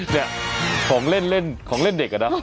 เนี่ยของเล่นของเล่นเด็กอะนะ